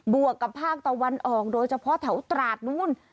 วกกับภาคตะวันออกโดยเฉพาะแถวตราดนู้น